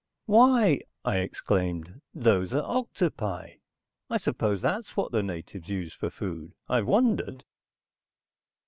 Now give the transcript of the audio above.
"Why," I exclaimed. "Those are octopi. I suppose that's what the natives use for food? I've wondered."